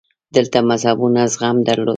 دلته مذهبونو زغم درلود